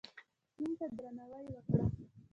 سیند ته درناوی وکړه.